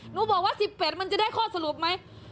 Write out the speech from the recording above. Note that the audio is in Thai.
บอกว่า๑๑มันจะได้ข้อสรุปไหม